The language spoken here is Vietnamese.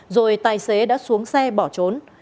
rồi tài xế đã xuống xe bỏ trốn